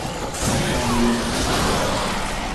تغییر جهت باد